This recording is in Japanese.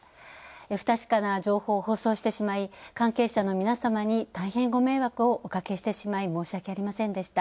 不確かな情報を放送してしまい関係者の皆様に大変ご迷惑をおかけしてしまい申し訳ありませんでした。